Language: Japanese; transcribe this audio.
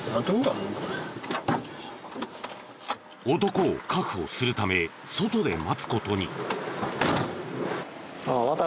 男を確保するため外で待つ事に。